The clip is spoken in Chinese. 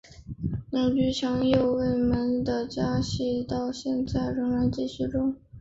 鸟居强右卫门的家系到现在仍然存续中。